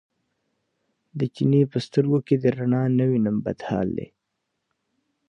د چیني په سترګو کې دې رڼا نه وینم بد حال دی.